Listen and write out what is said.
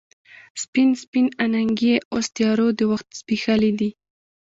سپین، سپین اننګي یې اوس تیارو د وخت زبیښلې دي